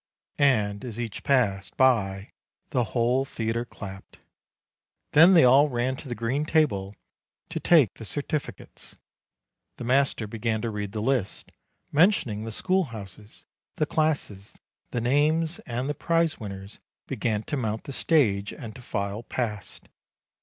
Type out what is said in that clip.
And as each passed by, the whole theatre clapped. Then they all ran to the green table, to take the certif icates. The master began to read the list, mentioning the schoolhouses, the classes, the names ; and the prize winners began to mount the stage and to file past.